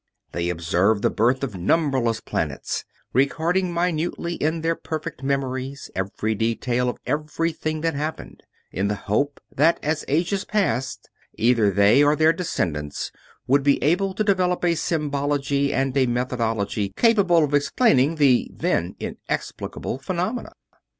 They observed the birth of numberless planets, recording minutely in their perfect memories every detail of everything that happened; in the hope that, as ages passed, either they or their descendants would be able to develop a symbology and a methodology capable of explaining the then inexplicable phenomenon.